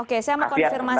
oke saya mau konfirmasi